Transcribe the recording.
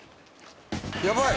やばい！